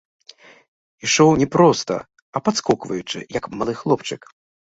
Ішоў не проста, а падскокваючы, як малы хлопчык.